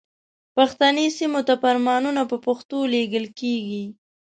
پښتني سیمو ته فرمانونه په پښتو لیږل کیږي.